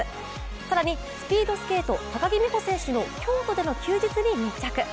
更にスピードスケート・高木美帆選手の京都での休日に密着。